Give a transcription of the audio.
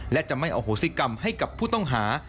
และจะไม่อโหสิกรรมให้กับผู้ต้องหา